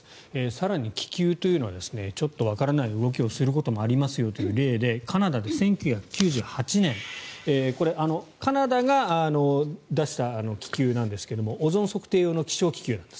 更に気球というのはちょっとわからない動きをすることもありますよという例でカナダで１９９８年カナダが出した気球なんですがオゾン測定用の気象気球なんです。